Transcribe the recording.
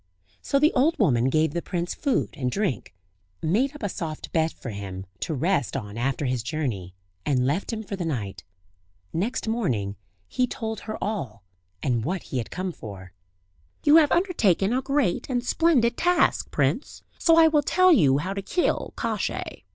So the old woman gave the prince food and drink, made up a soft bed for him, to rest on after his journey, and left him for the night. Next morning he told her all, and what he had come for. "You have undertaken a great and splendid task, prince; so I will tell you how to kill Kosciey.